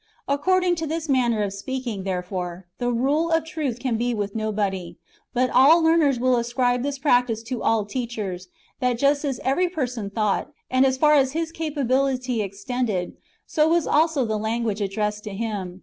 According to this manner of speaking, therefore, the rule of truth can be with nobody ; but all learners will ascribe this practice to all [teachers], that just as every person thought, and as far as his capability extended, so was also the language addressed to him.